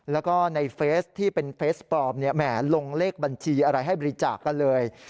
แล้วก็ในเฟสที่เป็นเฟสปลอมลงเลขบัญชีอะไรให้บริจาคกันเลย